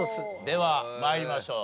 では参りましょう。